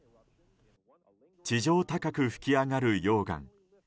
地上高く噴き上がる溶岩。